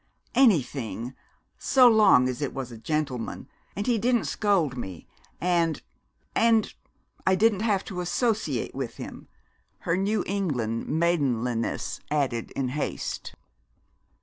"Anything so long as it was a gentleman and he didn't scold me and and I didn't have to associate with him!" her New England maidenliness added in haste.